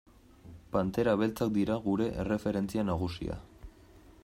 Pantera Beltzak dira gure erreferentzia nagusia.